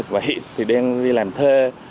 và hiện thì đang đi làm thê